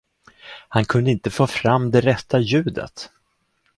Han kunde inte få fram det rätta ljudet.